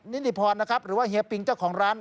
นิติพรนะครับหรือว่าเฮียปิงเจ้าของร้าน